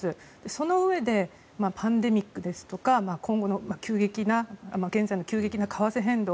そのうえでパンデミックですとか現在の急激な為替変動。